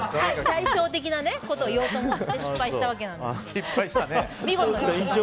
対照的なことを言おうと思って失敗したわけなんですけど。